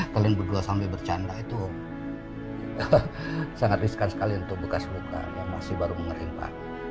kalian berdua sambil bercanda itu sangat riskan sekali untuk bekas luka yang masih baru mengerimpa